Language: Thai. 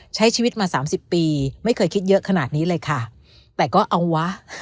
ใช้ชีวิตมาสามสิบปีไม่เคยคิดเยอะขนาดนี้เลยค่ะแต่ก็เอาวะ